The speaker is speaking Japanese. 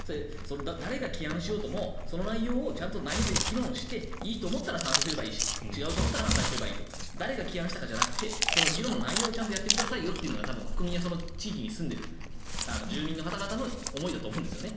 誰が起案しようともその内容をちゃんと内容で議論していいと思ったら賛成すればいいし違うと思ったら反対すればいい誰が起案したかじゃなくて議論の内容をちゃんとやってくださいというのが多分、国民やその地域に住んでいる住民の方々の思いだと思うんですね。